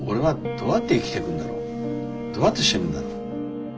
どうやって死ぬんだろう？